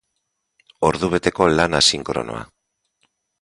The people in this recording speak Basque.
Ordubeteko lan asinkronoa.